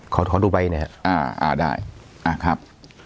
ขอดูไว้เลยนะครับอ่ะได้อ่ะครับ